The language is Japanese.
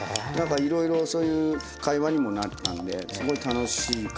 いろいろそういう会話にもなったんですごい楽しかったですね